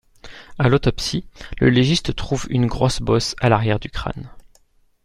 À l’autopsie, le légiste trouve une grosse bosse à l’arrière du crâne.